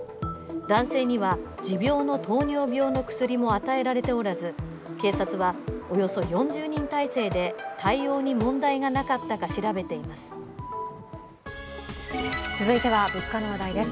男性には持病の糖尿病の薬も与えられておらず、警察はおよそ４０人体制で対応に問題がなかったか調べています。